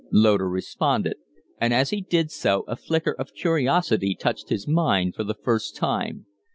Loder responded, and as he did so a flicker of curiosity touched his mind for the first time.